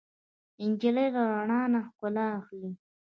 نجلۍ له رڼا نه ښکلا اخلي.